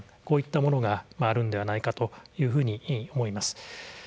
こういったものがあるのではないかと思います。